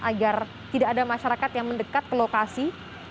agar tidak ada masyarakat yang mendekat ke lokasi